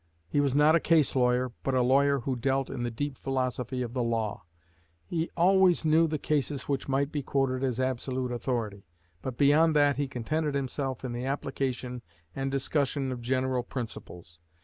He was not a case lawyer, but a lawyer who dealt in the deep philosophy of the law. He always knew the cases which might be quoted as absolute authority, but beyond that he contented himself in the application and discussion of general principles.